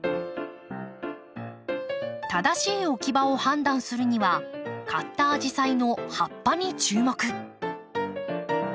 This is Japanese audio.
正しい置き場を判断するには買ったアジサイの葉っぱに注目。